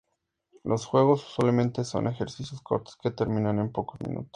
Los juegos usualmente son ejercicios cortos que terminan en pocos minutos.